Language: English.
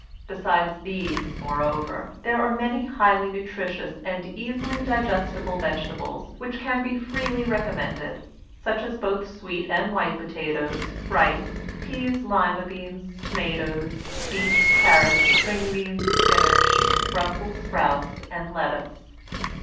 Besides these, moreover, there are many highly nutritious and easily digestible vegetables which can be freely recommended, such as both sweet and white potatoes, rice, peas, lima beans, tomatoes, beets, carrots, string beans, spinach, Brussels sprouts, and lettuce.